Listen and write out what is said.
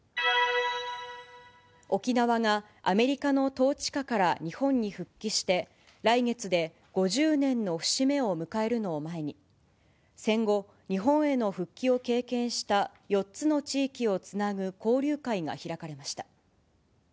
沖縄がアメリカの統治下から日本に復帰して、来月で５０年の節目を迎えるのを前に、戦後、日本への復帰を経験した４つの地域をつなぐ交流会が開かれました。